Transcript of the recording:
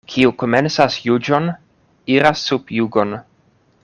Kiu komencas juĝon, iras sub jugon.